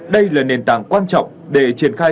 đây là nền tảng quan trọng để triển khai